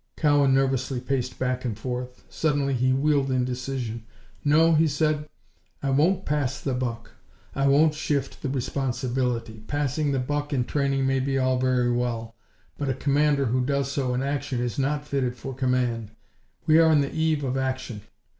Cowan nervously paced back and forth. Suddenly he wheeled in decision. "No," he said, "I won't pass the buck; I won't shift the responsibility. Passing the buck in training may be all very well, but a commander who does so in action is not fitted for command. We are on the eve of action.